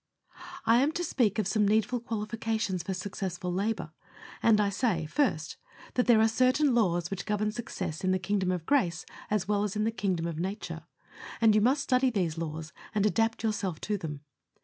I am to speak of some needful qualifications for successful labor; and I say: First, that there are certain laws which govern success in the kingdom of grace as well as in the kingdom of nature, and you must study these laws, and adapt yourself to them.